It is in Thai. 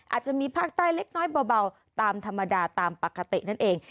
อาจจะมีภาคใต้เล็กน้อยเบาตามธรรมดาตามปกตินั่นเอง